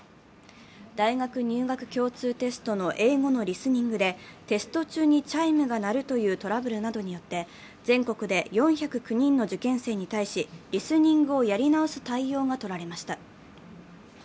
大学入学共通テストの英語のリスニングで、テスト中にチャイムが鳴るというトラブルなどによって、全国で４０９人の受験生に対し、リスニングをやり直す対応が取られました。